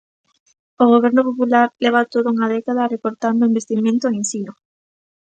O Goberno popular leva toda unha década recortando o investimento en ensino.